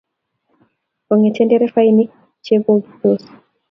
kongete nderefainik chebogitsot